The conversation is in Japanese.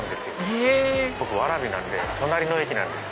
へぇ僕蕨なんで隣の駅なんです。